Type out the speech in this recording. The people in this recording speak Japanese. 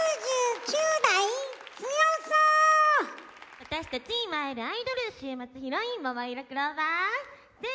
私たちいま会えるアイドル週末ヒロインももいろクローバーＺ！